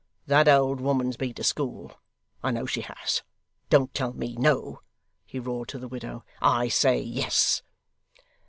That old woman's been to school. I know she has. Don't tell me no,' he roared to the widow, 'I say, yes.